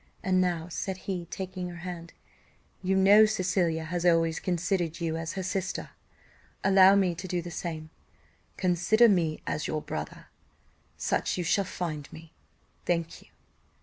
And now," said he, taking her hand, "you know Cecilia has always considered you as her sister allow me to do the same: consider me as a brother such you shall find me. Thank you.